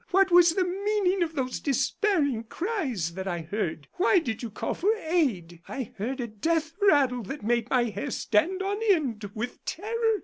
What was the meaning of those despairing cries that I heard? Why did you call for aid? I heard a death rattle that made my hair stand on end with terror.